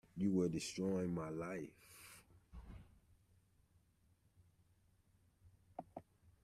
You were destroying my life.